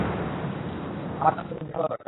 আমার তার সাথে দেখা করা দরকার।